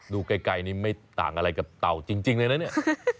ดูไกลนี่ไม่ต่างอะไรกับเต่าจริงเลยนะเนี่ย